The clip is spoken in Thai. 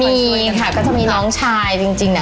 มีค่ะก็จะมีน้องชายจริง